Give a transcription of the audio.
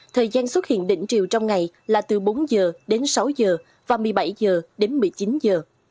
thời gian xuất hiện đỉnh triều trong ngày là từ bốn giờ đến sáu giờ và một mươi bảy giờ đến một mươi chín giờ